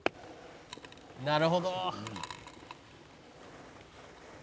「なるほど！」